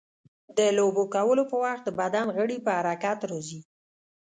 د لوبو کولو په وخت د بدن غړي په حرکت راځي.